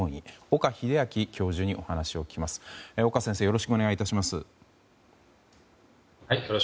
岡先生よろしくお願い致します。